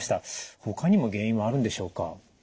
ほかにも原因はあるんでしょうか？